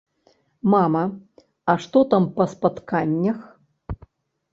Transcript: Мама, а што там па спатканнях?